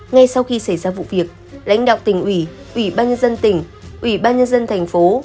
ngay sau khi xảy ra vụ việc lãnh đạo tỉnh ủy ủy ban nhân dân tỉnh ủy ban nhân dân thành phố